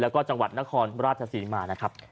แล้วก็จังหวัดนครราชศรีมานะครับ